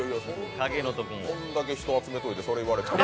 こんだけ人集めといて、それ言われたら。